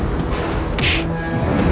aku akan menang